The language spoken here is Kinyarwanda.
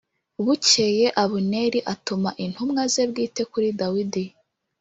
Bukeye Abuneri atuma intumwa ze bwite kuri Dawidi